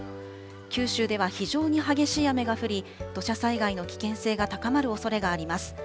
九州では非常に激しい雨が降り、土砂災害の危険性が高まるおそれがあります。